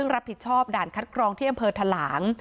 รับผิดชอบด่านคัดกรองที่อำเภอทะหลาง